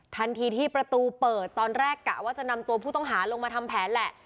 ทันทีที่ประตูเปิดตอนแรกกะว่าจะนำตัวผู้ต้องหาลงมาทำแผนแหละ